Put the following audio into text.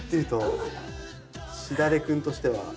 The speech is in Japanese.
しだれくんとしては。